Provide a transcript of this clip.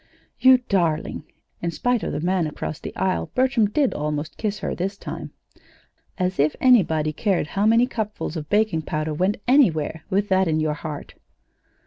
"You darling!" (In spite of the man across the aisle Bertram did almost kiss her this time.) "As if anybody cared how many cupfuls of baking powder went anywhere with that in your heart!"